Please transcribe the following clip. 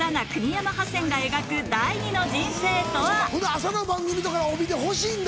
朝の番組とか帯で欲しいんだ。